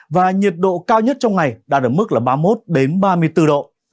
và nhiệt độ cao nhất trong ngày đã được mức ba mươi một ba mươi bốn độ